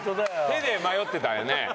手で迷ってたよね。